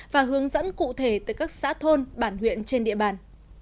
và hướng dẫn cụ thể tới các xã thôn bản huyện trên địa bàn